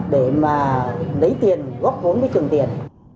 để mà lấy tiền góp vốn với trường tiền